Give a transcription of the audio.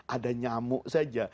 ada nyamuk saja